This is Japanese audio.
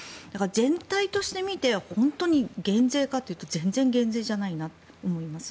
全体として本当に減税かというと全然、減税じゃないと思います。